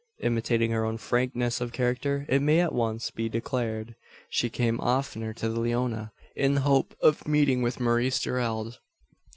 Imitating her own frankness of character, it may at once be declared. She came oftener to the Leona, in the hope of meeting with Maurice Gerald.